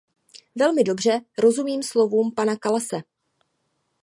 Velmi dobře rozumím slovům pana Kallase.